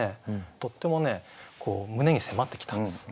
とっても胸に迫ってきたんです。